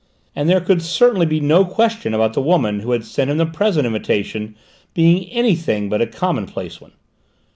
And there could certainly be no question about the woman who had sent him the present invitation being anything but a commonplace one!